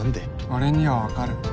俺には分かる